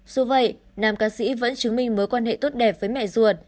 dù vậy nam ca sĩ vẫn chứng minh mối quan hệ tốt đẹp với mẹ ruột